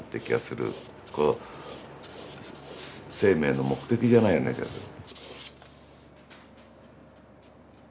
こう生命の目的じゃないような気がする。